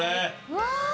うわ！